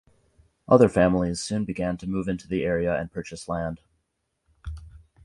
Other families soon began to move into the area and purchase land.